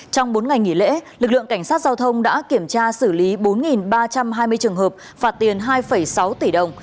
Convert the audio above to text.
trong bốn ngày nghỉ lễ lực lượng cảnh sát giao thông đã kiểm tra xử lý bốn ba trăm hai mươi trường hợp phạt tiền hai sáu tỷ đồng